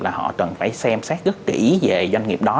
là họ cần phải xem xét rất kỹ về doanh nghiệp đó